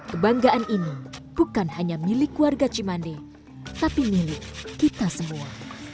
kebanggaan ini bukan hanya milik warga cimande tapi milik kita semua